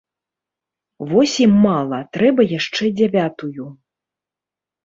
Восем мала, трэба яшчэ дзявятую!